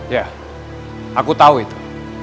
ya aku tau itu